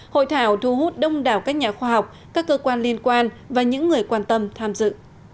hội thảo thu hút đông đảo các nhà khoa học các cơ quan liên quan và những người quan tâm tham dự